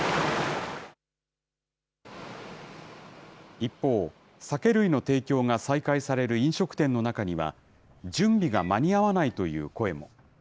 一方、酒類の提供が再開される飲食店の中には、準備が間に合わないという声も。